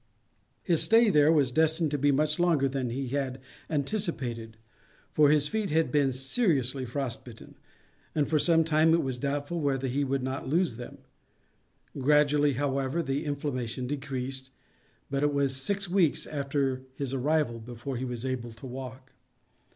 His stay here was destined to be much longer than he had anticipated, for his feet had been seriously frostbitten, and for some time it was doubtful whether he would not lose them. Gradually, however, the inflammation decreased, but it was six weeks after his arrival before he was able to walk.